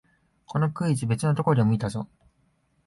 このクイズ、別のところでも見たぞ